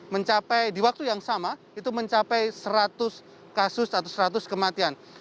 mencapai di waktu yang sama itu mencapai seratus kasus atau seratus kematian